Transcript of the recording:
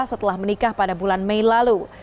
setelah menikah pada bulan mei lalu